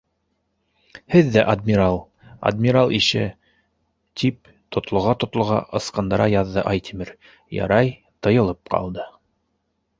Һеҙ ҙә адмирал... адмирал ише... - тип тотлоға-тотлоға ысҡындыра яҙҙы Айтимер, ярай, тыйылып ҡалды.